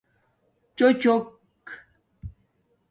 چݸچݸک